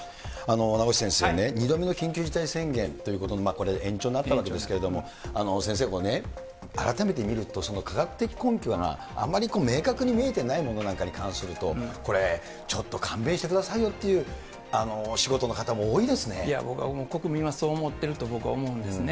名越先生ね、２度目の緊急事態宣言ということで、これ、延長になったわけですけれども、先生これね、改めて見ると科学的根拠があまり明確に見えていないものなんかに関すると、これ、ちょっと勘弁してくださいよっていうお仕事の方僕は、国民はそう思っていると、僕は思うんですね。